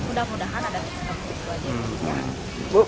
mudah mudahan ada yang mencari gugatan